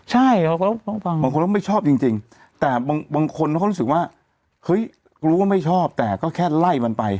ใช่เขาก็บางคนก็ไม่ชอบจริงแต่บางคนเขารู้สึกว่าเฮ้ยรู้ว่าไม่ชอบแต่ก็แค่ไล่มันไป